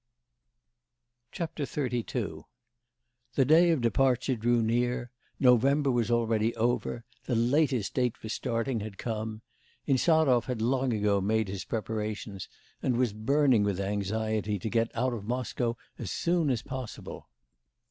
XXXII The day of departure drew near. November was already over; the latest date for starting had come. Insarov had long ago made his preparations, and was burning with anxiety to get out of Moscow as soon as possible.